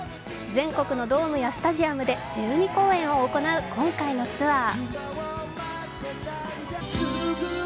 全国のドームやスタジアムで１２公演を行う今回のツアー。